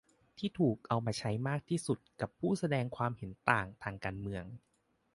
ที่ถูกเอามาใช้มากที่สุดกับผู้แสดงความเห็นต่างทางการเมือง